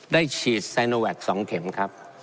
ได้ฉีดไซโนแวค๒เข็มครับ